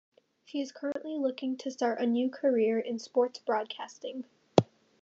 She is currently looking to start a new career in sports broadcasting.